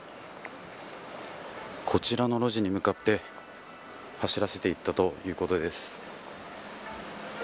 こちらの路地に向かって走らせていったということです。